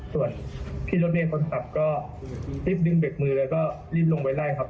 ส่วนพี่รถเมฆคนขับก็รีบดึงเบรกมือแล้วก็รีบลงไปไล่ครับ